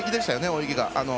泳ぎが。